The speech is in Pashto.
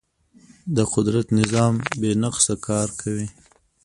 د قدرت نظام بې نقصه کار کوي.